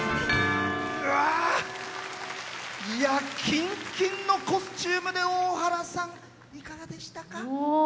金金のコスチュームで大原さん、いかがでしたか。